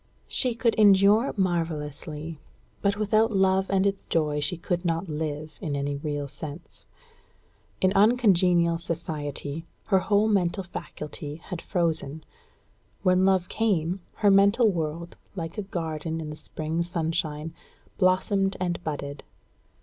She could endure marvellously; but without love and its joy she could not live, in any real sense. In uncongenial society, her whole mental faculty had frozen; when love came, her mental world, like a garden in the spring sunshine, blossomed and budded.